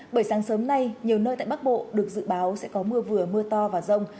bởi sáng sớm nay nhiều nơi tại bắc bộ được dự báo sẽ có mưa vừa mưa to và rông